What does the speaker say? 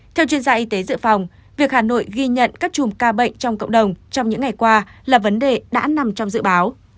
theo chuyên gia y tế dự phòng việc hà nội ghi nhận các chùm ca bệnh trong cộng đồng trong những ngày qua là vấn đề đã nằm trong dự báo